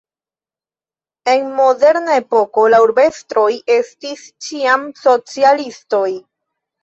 En moderna epoko la urbestroj estis ĉiam socialistoj.